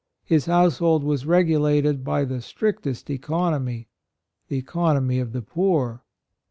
His household was regulated by the strictest economy — the economy of the poor.